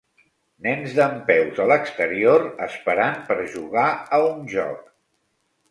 Nens dempeus a l'exterior, esperant per jugar a un joc.